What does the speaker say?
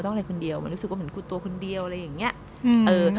อะไรคนเดียวมันรู้สึกว่าเหมือนกูตัวคนเดียวอะไรอย่างเงี้ยอืมเออ